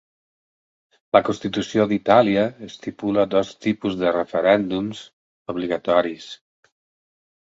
La constitució d'Itàlia estipula dos tipus de referèndums obligatoris.